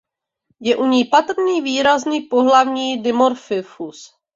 Je u ní patrný výrazný pohlavní dimorfismus.